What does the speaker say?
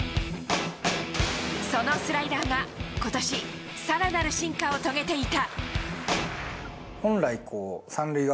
そのスライダーが今年、更なる進化を遂げていた。